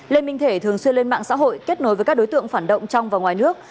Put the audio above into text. lê minh thể thường xuyên lên mạng xã hội kết nối với các đối tượng phản động trong và ngoài nước